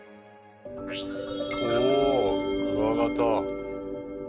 おおクワガタ。